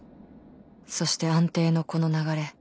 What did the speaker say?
そして安定のこの流れ。